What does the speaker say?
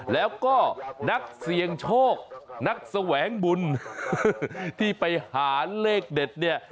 แล้วก็นักเสี่ยงโชคนักแสวงบุญที่ไปหาเลขเด็ดเนี่ย